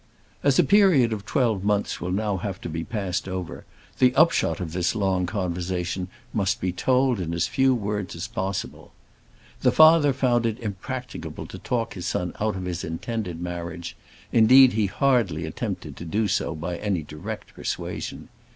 As a period of twelve months will now have to be passed over, the upshot of this long conversation must be told in as few words as possible. The father found it impracticable to talk his son out of his intended marriage; indeed, he hardly attempted to do so by any direct persuasion.